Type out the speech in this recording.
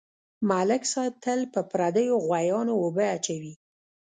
ملک صاحب تل په پردیو غویانواوبه اچوي.